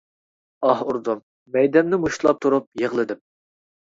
ئاھ ئۇردۇم، مەيدەمنى مۇشتلاپ تۇرۇپ يىغلىدىم.